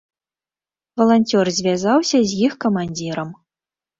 Валанцёр звязаўся з іх камандзірам.